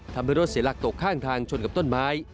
ทำให้รถเสียหลักตกข้างทางชนกับต้นไม้